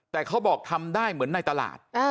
แต่เขาบอกทำได้เหมือนในตลาด